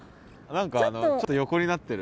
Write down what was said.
何かちょっと横になってる。